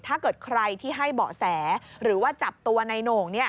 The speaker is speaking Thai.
ถ้าเกิดใครที่ให้เบาะแสหรือว่าจับตัวในโหน่ง